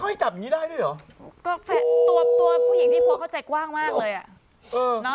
ตัวผู้หญิงที่พวกเขาใจกว้างมากเลยอะ